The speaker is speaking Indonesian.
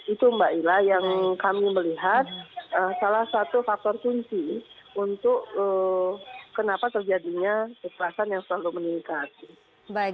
itu mbak ila yang kami melihat salah satu faktor kunci untuk kenapa terjadinya kekerasan yang selalu meningkat